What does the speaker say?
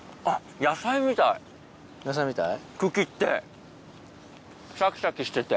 野菜みたい？